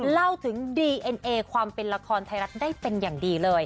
เล่าถึงดีเอ็นเอความเป็นละครไทยรัฐได้เป็นอย่างดีเลย